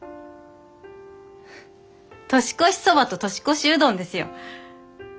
年越しそばと年越しうどんですよ。